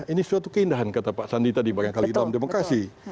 ini suatu keindahan kata pak sandi tadi barangkali dalam demokrasi